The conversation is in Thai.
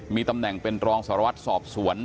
มีตำแหน่งเป็นรองสารวัตรสอบสวน